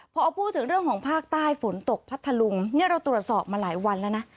พอพูดถึงเรื่องของภาคใต้ฝนตกพัทธลุงนี่เราตรวจสอบมาหลายวันแล้วนะ